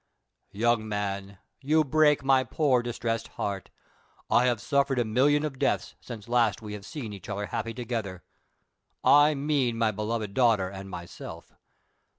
''" Young man, you break my poor, distressed heart ! I have suffered a million of deaths since last we have seen each other happy together— I mean, my beloved daughter and myself